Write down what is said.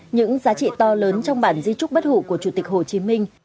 những giá trị to lớn trong bản di trúc bất hủ của chủ tịch hồ chí minh